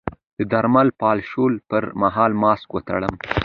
د درمل پاشلو پر مهال ماسک وتړم؟